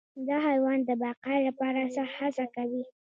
دا حیوان د بقا لپاره سخت هڅه کوي.